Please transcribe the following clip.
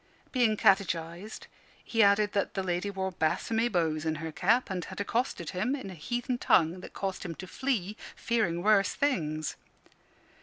Being catechised, he added that the lady wore bassomy bows in her cap, and had accosted him in a heathen tongue that caused him to flee, fearing worse things.